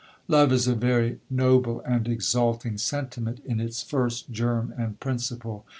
'Love is a very noble and exalting sentiment in its first germ and principle.